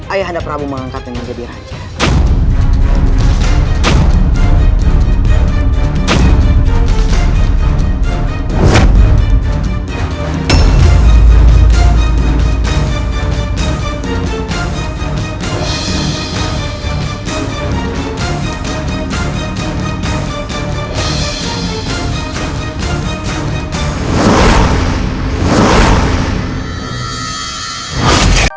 ayah anda prabu mengangkatnya menjadi raja